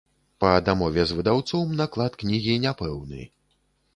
Па дамове з выдаўцом, наклад кнігі няпэўны.